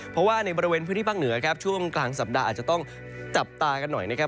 เพราะว่าในบริเวณพื้นที่ภาคเหนือครับช่วงกลางสัปดาห์อาจจะต้องจับตากันหน่อยนะครับ